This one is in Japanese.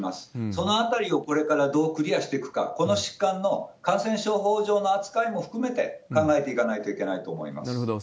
そのあたりをこれからどうクリアしていくか、この疾患の感染症法上の扱いも含めて、考えていかないといけないなるほど。